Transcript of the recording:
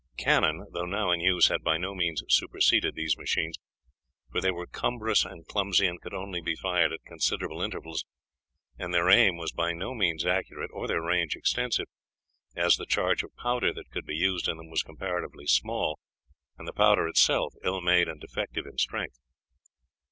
Cannon, though now in use, had by no means superseded these machines, for they were cumbrous and clumsy, and could only be fired at considerable intervals, and their aim was by no means accurate or their range extensive, as the charge of powder that could be used in them was comparatively small, and the powder itself ill made and defective in strength.